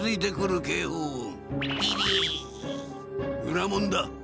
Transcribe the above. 裏門だ！